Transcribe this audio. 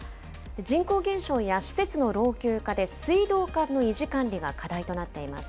人口減少や施設の老朽化で、水道管の維持管理が課題となっています。